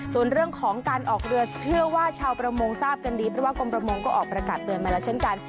ส่วนเรื่องของการออกเรือเชื่อว่าชาวประมงทราบกันดีเพราะว่ากรมประมงก็ออกประกาศเตือนมาแล้วเช่นกัน